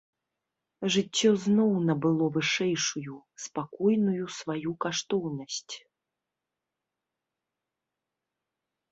Жыццё зноў набыло вышэйшую, спакойную сваю каштоўнасць.